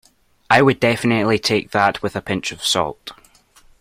I would definitely take that with a pinch of salt